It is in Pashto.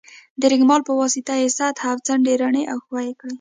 د رېګمال په واسطه یې سطحه او څنډې رڼې او ښوي کړئ.